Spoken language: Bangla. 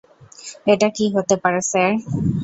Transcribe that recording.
এটা কী করে হতে পারে, স্যার?